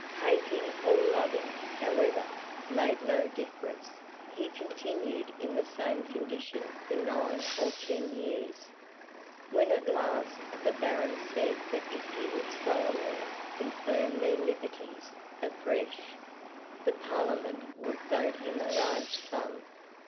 Hating or loving, however, made no difference; he continued in the same condition for nine or ten years, when at last the Barons said that if he would solemnly confirm their liberties afresh, the Parliament would vote him a large sum.